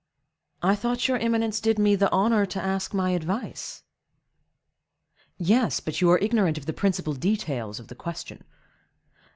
"I thought your eminence did me the honor to ask my advice?" "Yes, but you are ignorant of the principal details of the question."